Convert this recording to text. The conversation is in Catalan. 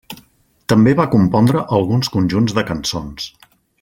També va compondre alguns conjunts de cançons.